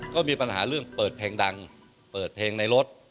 ก็มีปัญหาเรื่องเปิดเพลงดังเปิดเพลงในรถ